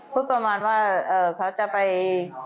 พูดประมาณว่าเขาจะไป